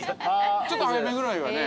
ちょっと速めぐらいがね。